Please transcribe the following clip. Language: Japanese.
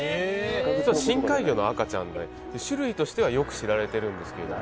実は深海魚の赤ちゃんで種類としてはよく知られてるんですけど。